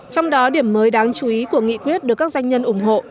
trong đó điểm mới đáng chú ý của nghị quyết được các doanh nhân ủng hộ